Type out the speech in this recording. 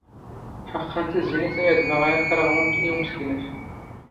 ⵃⴰⵇⵇⴰⵏ ⵜⵉⵣⵉ ⵏⵉⵜ ⴰⵢⴰⴷ ⵎⴰ ⵖ ⴰ ⴰⵇⵇⵔⴰⵖ ⵉ ⵓⵎⵙⴳⵏⴰⴼ.